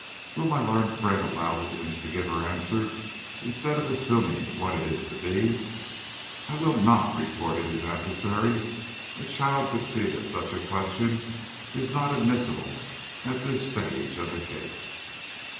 "Will my learned friend allow the witness to give her answer, instead of assuming what it is to be?" "I will not," retorted his adversary. "A child could see that such a question is not admissible at this stage of the case."